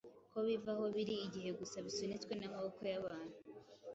ko biva aho biri igihe gusa bisunitswe n’amaboko y’abantu;